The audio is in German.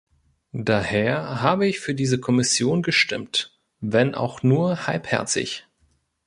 Daher habe ich für diese Kommission gestimmt, wenn auch nur halbherzig.